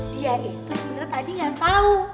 dia itu sebenernya tadi gak tau